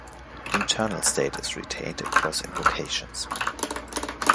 The internal state is retained across invocations.